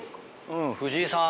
うん藤井さん。